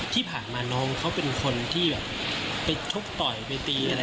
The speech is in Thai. ที่ผ่านมาน้องเขาเป็นคนที่แบบไปชกต่อยไปตีอะไร